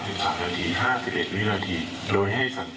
คุณแม่ควรเลี่ยงไว้นะคะ